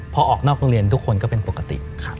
พอออกนอกโรงเรียนทุกคนก็เป็นปกติ